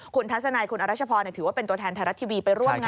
คุณทัศนัยคุณอรัชพรถือว่าเป็นตัวแทนไทยรัฐทีวีไปร่วมนะ